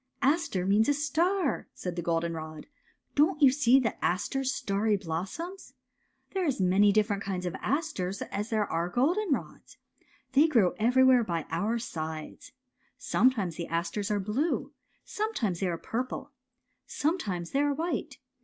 "" Aster means a star," said the goldenrod. '' Don't you see aster's starry blossoms? a There are as many different kind of asters as there are goldenrods. They grow every where by our sides. Sometimes the asters are blue. Sometimes they are purple. Sometimes they are white.